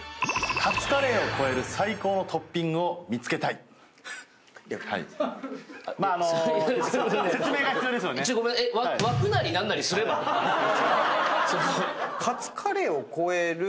カツカレーを超える最高のトッピングってどういうこと？